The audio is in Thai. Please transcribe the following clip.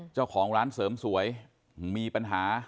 เจ้าของร้านเสริมสวยมีปัญหา